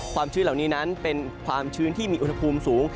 ชื้นเหล่านี้นั้นเป็นความชื้นที่มีอุณหภูมิสูง